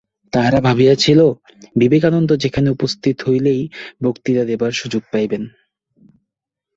তাহারা ভাবিয়াছিল, বিবেকানন্দ সেখানে উপস্থিত হইলেই বক্তৃতা দিবার সুযোগ পাইবেন।